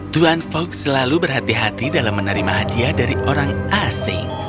tuan fok selalu berhati hati dalam menerima hadiah dari orang asing